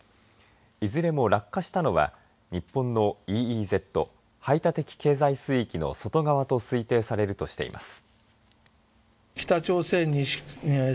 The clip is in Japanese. いずれも落下したのは日本のＥＥＺ、排他的経済水域の外側と推定されるとしています。